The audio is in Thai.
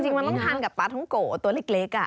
มันต้องทานกับปลาท้องโกะตัวเล็ก